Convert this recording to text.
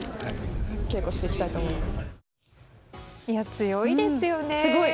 強いですよね。